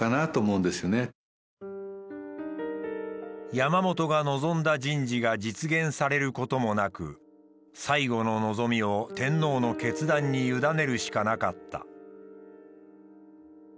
山本が望んだ人事が実現されることもなく最後の望みを天皇の決断に委ねるしかなかった。